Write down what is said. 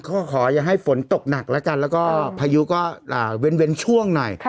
ก็ขอให้ฝนตกหนักแล้วก็พายุเว้นช่วงหน่อย